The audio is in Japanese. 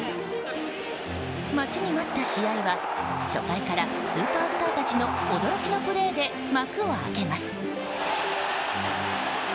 待ちに待った試合は、初回からスーパースターたちの驚きのプレーで幕を開けます。